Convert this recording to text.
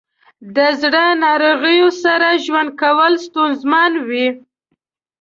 د زړه ناروغیو سره ژوند کول ستونزمن وي.